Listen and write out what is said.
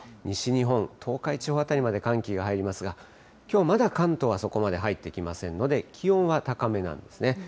西日本、東海地方辺りまで寒気が入りますが、きょうまだ関東はそこまで入ってきませんので、気温は高めなんですね。